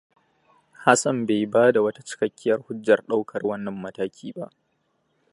Hassan bai bada wata cikakkiyar hujjar ɗaukar wannan mataki ba.